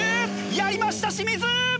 やりました清水！